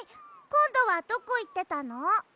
こんどはどこいってたの？